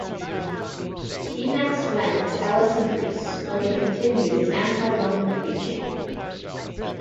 He next went to Elis in Greece, where he continued his anti-Roman preaching.